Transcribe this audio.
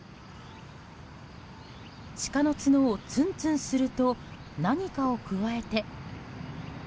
シカの角をつんつんすると何かをくわえて。